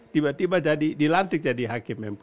tiba tiba jadi dilantik jadi hakim mk